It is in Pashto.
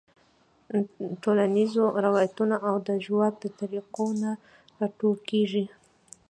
ټولنیزو رواياتو او د ژواک د طريقو نه راټوکيږي -